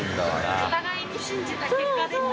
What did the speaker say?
お互いに信じた結果ですよね。